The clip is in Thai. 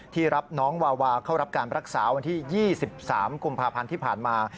รับน้องวาวาเข้ารับการรักษาวันที่๒๓กุมภาพันธ์ที่ผ่านมา